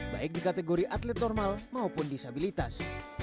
baik di kategori atlet normal maupun disabilitas